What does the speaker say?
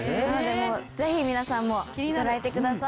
ぜひ皆さんもいただいてください。